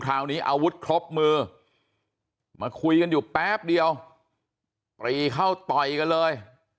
อาวุธครบมือมาคุยกันอยู่แป๊บเดียวปรีเข้าต่อยกันเลย